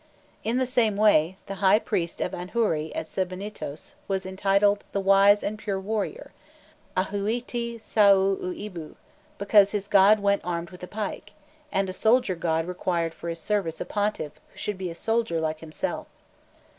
In the same way, the high priest of Anhûri at Sebennytos was entitled the wise and pure warrior ahûîti saû uîbu because his god went armed with a pike, and a soldier god required for his service a pontiff who should be a soldier like himself.